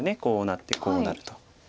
こうなってこうなると。